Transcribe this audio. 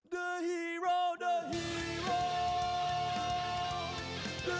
กันต่อแพทย์จินดอร์